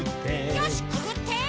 よしくぐって！